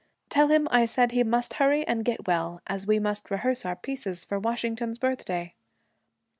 Tell him I said he must hurry and get well, as we must rehearse our pieces for Washington's Birthday.'